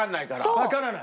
わからない。